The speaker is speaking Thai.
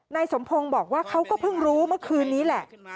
นายสมพงศ์บอกว่าเขาก็เพิ่งรู้เมื่อคืนนี้แหละ